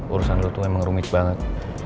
urusan lo tuh emang rumit banget